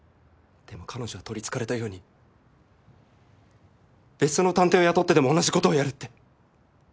でも彼女は取りつかれたように別の探偵を雇ってでも同じことをやるって。